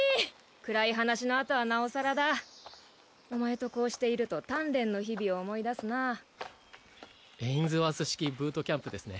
暗い話のあとはなおさらだお前とこうしていると鍛錬の日々を思い出すなエインズワース式ブートキャンプですね